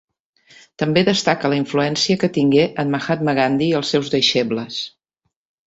També destaca la influència que tingué en Mahatma Gandhi i els seus deixebles.